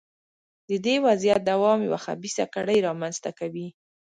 د دې وضعیت دوام یوه خبیثه کړۍ رامنځته کوي.